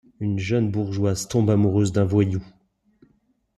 Une jeune bourgeoise tombe amoureuse d'un voyou.